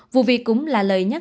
vụ việc cũng là lời nhắc